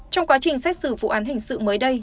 trong quá trình xét xử vụ án hình sự mới đây